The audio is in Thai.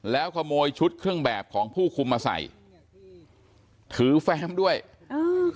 แล้วขโมยชุดเครื่องแบบของผู้คุมมาใส่ถือแฟมด้วยอ่า